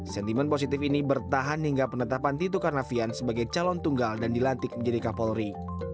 sentimen positif ini bertahan hingga penetapan tito karnavian sebagai calon tunggal dan dilantik menjadi kapolri